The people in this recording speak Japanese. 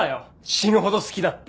「死ぬほど好きだ」って。